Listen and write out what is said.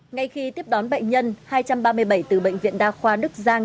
ngay khi tiếp đón bệnh nhân hai trăm ba mươi bảy từ bệnh viện đa khoa đức giang